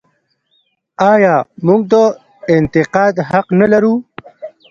آیا موږ د انتقاد حق نلرو؟